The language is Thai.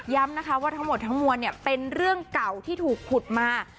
นะคะว่าทั้งหมดทั้งมวลเนี่ยเป็นเรื่องเก่าที่ถูกขุดมา